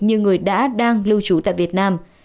như người đã đang lưu trú tại việt nam